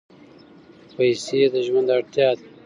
خو پیسې د ژوند اړتیا ده.